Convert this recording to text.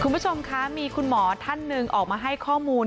คุณผู้ชมคะมีคุณหมอท่านหนึ่งออกมาให้ข้อมูล